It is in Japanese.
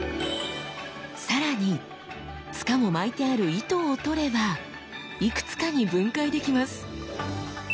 更に柄も巻いてある糸を取ればいくつかに分解できます。